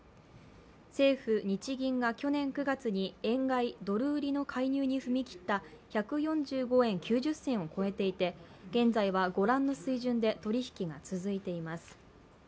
政府日銀が去年９月に円買い・ドル売りの介入に踏み切った１４５円９０銭を超えていて現在はご覧の水準で取り引きが続いています。